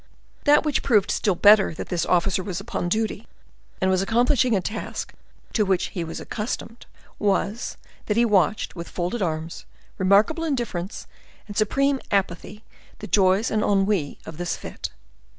That which proved still better that this officer was upon duty, and was accomplishing a task to which he was accustomed, was, that he watched, with folded arms, remarkable indifference, and supreme apathy, the joys and ennuis of this fete.